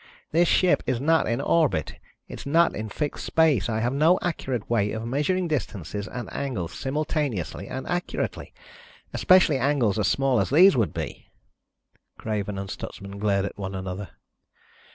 This ship is not in an orbit. It's not fixed in space. I have no accurate way of measuring distances and angles simultaneously and accurately. Especially angles as small as these would be." Craven and Stutsman glared at one another.